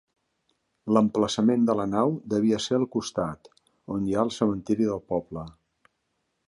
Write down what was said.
L'emplaçament de la nau devia ser al costat, on hi ha el cementiri del poble.